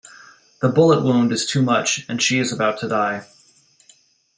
The bullet wound is too much and she is about to die.